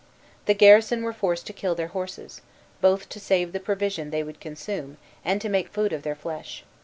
The garrison were forced to kill their horses, both to save the provision they would consume, and to make food of their flesh.